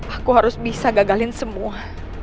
aku harus bisa gagalin semua